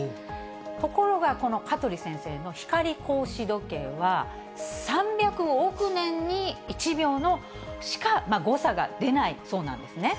ところが、この香取先生の光格子時計は、３００億年に１秒しか誤差が出ないそうなんですね。